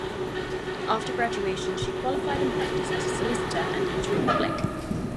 After graduation she qualified and practised as a solicitor and notary public.